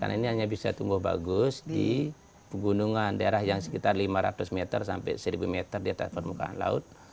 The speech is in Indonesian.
ini hanya bisa tumbuh bagus di gunungan daerah yang sekitar lima ratus seribu meter di atas permukaan laut